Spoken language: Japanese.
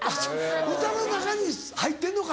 歌の中に入ってんのか。